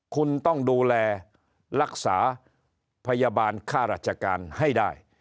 คุณต้องดูแลรักษาพยาบาลค่าราชการให้ได้